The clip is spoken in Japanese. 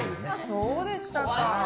そうでしたか。